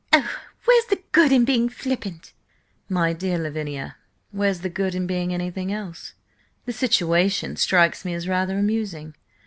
"Oh, where's the good in being flippant?" "My dear Lavinia, where's the good in being anything else? The situation strikes me as rather amusing.